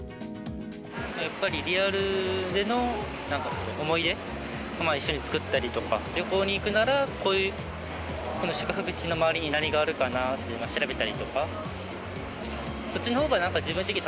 やっぱりリアルでの、なんかこう、思い出、一緒に作ったりとか、旅行に行くなら、こういう宿泊地の周りに何があるかなというのを調べたりとか。